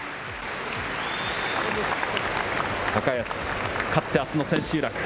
高安、勝ってあすの千秋楽。